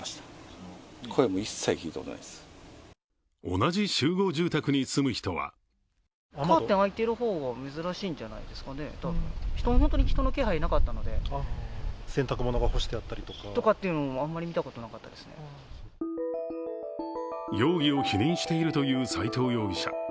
同じ集合住宅に住む人は容疑を否認しているという斉藤容疑者。